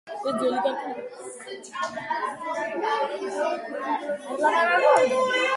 సంసార కొంపలకు